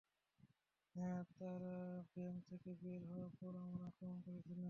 হ্যাঁ, তারা ব্যাংক থেকে বের হওয়ার পর আমরা আক্রমন করেছিলাম।